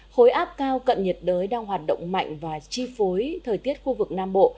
khối áp cao cận nhiệt đới đang hoạt động mạnh và chi phối thời tiết khu vực nam bộ